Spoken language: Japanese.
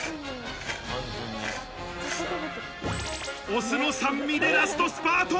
お酢の酸味でラストスパート！